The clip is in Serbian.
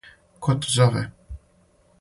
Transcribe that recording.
Ко те зове?